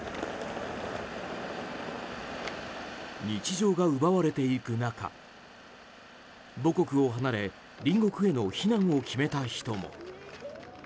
日常が奪われていく中母国を離れ隣国への避難を決めた人も。